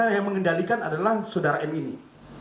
karena yang mengendalikan adalah saudara m ini